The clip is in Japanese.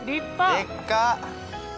でっか！